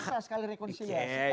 saya sekali rekonsiliasi